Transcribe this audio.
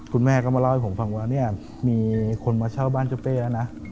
คุณแม่ก็มาเล่าให้ผมฟังว่าเนี่ยมีคนมาเช่าบ้านเจ้าเป้แล้วนะ